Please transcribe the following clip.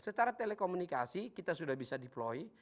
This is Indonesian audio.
secara telekomunikasi kita sudah bisa deploy